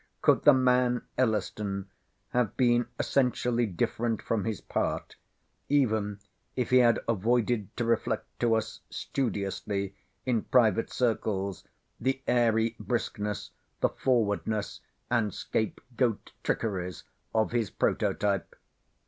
Could the man Elliston have been essentially different from his part, even if he had avoided to reflect to us studiously, in private circles, the airy briskness, the forwardness, and 'scape goat trickeries of his prototype?